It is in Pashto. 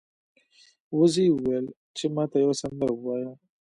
وزې وویل چې ما ته یوه سندره ووایه.